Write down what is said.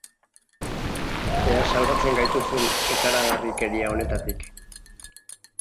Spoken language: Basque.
Ea salbatzen gaituzun ikaragarrikeria honetatik!